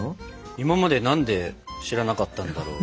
今まで何で知らなかったんだろう。